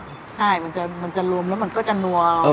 ใช่มันจะรวมแล้วมันก็จะนัว